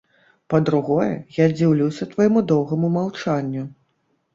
Па-другое, я дзіўлюся твайму доўгаму маўчанню.